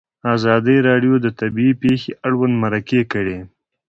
ازادي راډیو د طبیعي پېښې اړوند مرکې کړي.